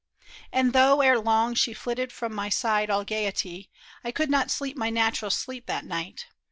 And though, ere long, She flitted from my side all gaiety, I could not sleep my natural sleep that night.